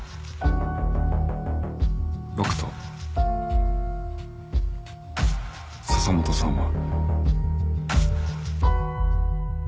僕と笹本さんは。